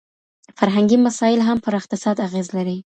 فرهنګي مسایل هم پر اقتصاد اغېز لري.